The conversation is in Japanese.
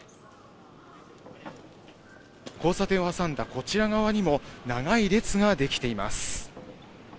交差点を挟んだこちら側にも、長い列が出来ています。